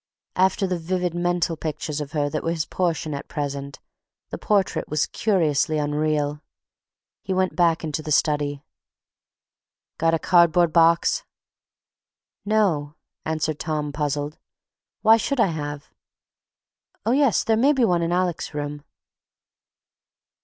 After the vivid mental pictures of her that were his portion at present, the portrait was curiously unreal. He went back into the study. "Got a cardboard box?" "No," answered Tom, puzzled. "Why should I have? Oh, yes—there may be one in Alec's room."